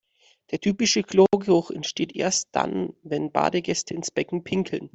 Der typische Chlorgeruch entsteht erst dann, wenn Badegäste ins Becken pinkeln.